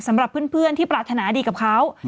สำหรับเพื่อนที่ปรารถนาดีกับเขา